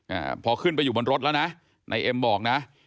อ่าพอขึ้นไปอยู่บนรถแล้วนะนายเอ็มบอกนะ